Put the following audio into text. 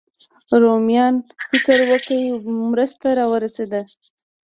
رومیان فکر وکړي مرسته راورسېده.